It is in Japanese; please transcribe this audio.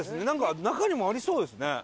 なんか中にもありそうですね。